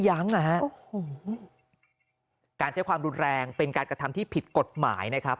ยังนะฮะการใช้ความรุนแรงเป็นการกระทำที่ผิดกฎหมายนะครับ